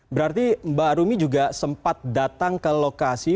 berarti mbak rumi juga sempat datang ke lokasi